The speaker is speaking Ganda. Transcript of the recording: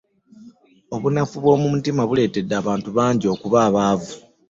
obunafu bwomumutima buleetedde abantu bangi okuba abaavu.